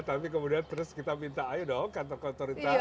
tapi kemudian terus kita minta ayo dong kantor kantor itu